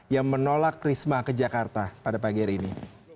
yang menolak risma ke jakarta pada pagi hari ini